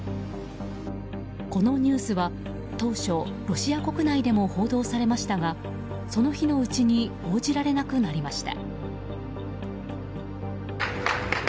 このニュースは当初ロシア国内でも報道されましたがその日のうちに報じられなくなりました。